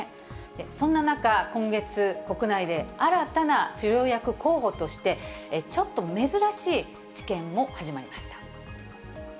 そんな中、今月、国内で新たな治療薬候補として、ちょっと珍しい治験も始まりました。